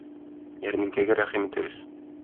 Ярминкәгә рәхим итегез!